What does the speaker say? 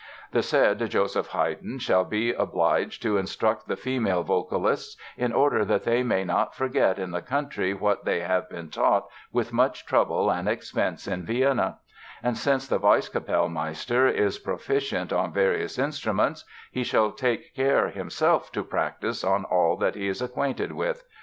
The said Joseph Heyden shall be obliged to instruct the female vocalists, in order that they may not forget in the country what they have been taught with much trouble and expense in Vienna; and since the Vice Capellmeister is proficient on various instruments he shall take care himself to practice on all that he is acquainted with....